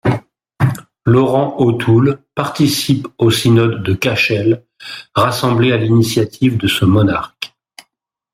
Laurent O’Toole participe au Synode de Cashel rassemblé à l’initiative de ce monarque.